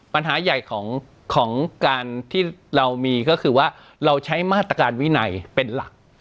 ปัญหาใหญ่ของการที่เรามีก็คือว่าเราใช้มาตรการวินัยเป็นหลัก